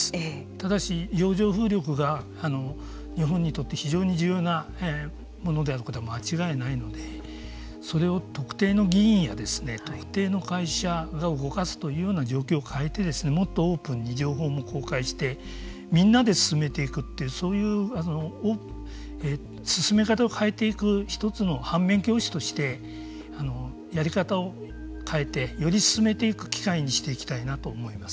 ただし、洋上風力が日本にとって非常に重要なものであることは間違いないのでそれを特定の議員や特定の会社が動かすというような状況を変えてもっとオープンに情報も公開してみんなで進めていくというそういう進め方を変えていく一つの反面教師としてやり方を変えてより進めていく機会にしていきたいなと思います。